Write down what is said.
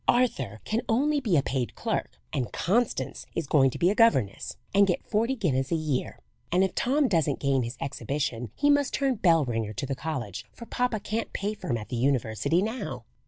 "Arthur can only be a paid clerk, and Constance is going to be a governess and get forty guineas a year, and if Tom doesn't gain his exhibition he must turn bell ringer to the college, for papa can't pay for him at the university now!"